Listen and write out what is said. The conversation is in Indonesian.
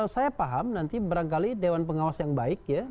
saya paham nanti barangkali dewan pengawas yang baik ya